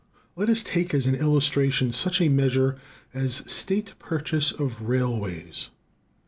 Let us take as an illustration such a measure as state purchase of railways.